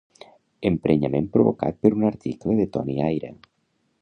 Emprenyament provocat per un article de Toni Aira.